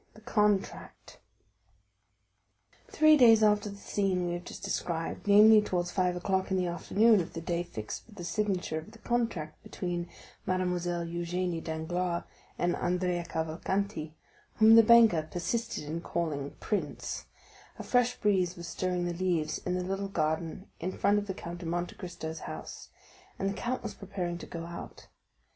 The Contract Three days after the scene we have just described, namely towards five o'clock in the afternoon of the day fixed for the signature of the contract between Mademoiselle Eugénie Danglars and Andrea Cavalcanti, whom the banker persisted in calling prince, a fresh breeze was stirring the leaves in the little garden in front of the Count of Monte Cristo's house, and the count was preparing to go out.